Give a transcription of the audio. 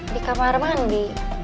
di kamar mandi